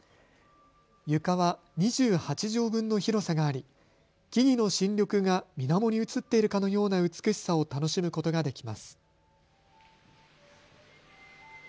床は２８畳分の広さがあり木々の新緑がみなもに映っているかのような美しさを楽しむことができます。